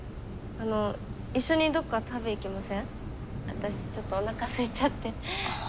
私ちょっとおなかすいちゃって。